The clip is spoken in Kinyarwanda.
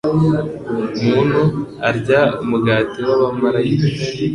muntu arya umugati w’abamalayika